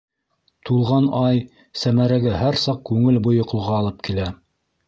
Тулған ай Сәмәрәгә һәр саҡ күңел бойоҡлоғо алып килә.